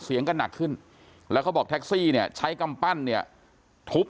เสียงก็หนักขึ้นแล้วเขาบอกแท็กซี่เนี่ยใช้กำปั้นเนี่ยทุบ